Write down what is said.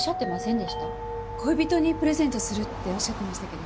恋人にプレゼントするっておっしゃってましたけど。